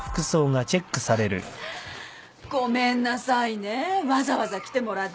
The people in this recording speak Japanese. ごめんなさいねわざわざ来てもらっちゃって。